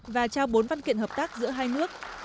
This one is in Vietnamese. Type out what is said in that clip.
và trao bốn văn kiện hợp tác giữa hai nước